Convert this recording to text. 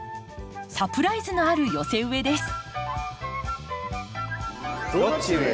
サプライズのある寄せ植えです。